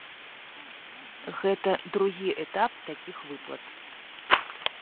Гэта другі этап такіх выплат.